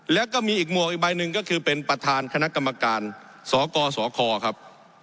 แล้วก็มีอีกหมวกอีกใบหนึ่งก็คือเป็นประธานคณะกรรมการสกสคครับ